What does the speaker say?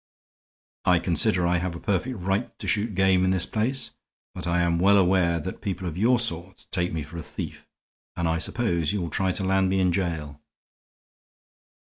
"I consider I have a perfect right to shoot game in this place. But I am well aware that people of your sort take me for a thief, and I suppose you will try to land me in jail."